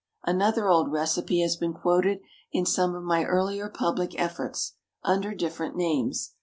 Another old recipe has been quoted in some of my earlier public efforts, under different names.